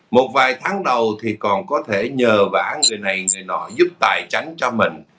một vài tháng đầu thì còn có thể nhờ vã người này người nọ giúp tài tránh cho mình